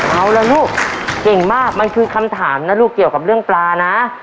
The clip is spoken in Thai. เอาละลูกเก่งมากมันคือคำถามนะลูกเกี่ยวกับเรื่องปลานะ